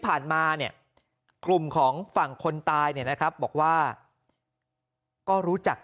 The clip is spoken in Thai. มาเนี่ยกลุ่มของฝั่งคนตายเนี่ยนะครับบอกว่าก็รู้จัก